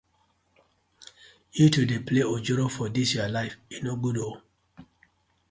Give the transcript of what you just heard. Yu too dey play ojoro for dis yu life, e no good ooo.